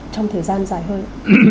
trong thời gian dài hơn